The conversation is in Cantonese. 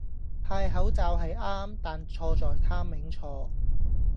派口罩係啱,但錯在 timing 錯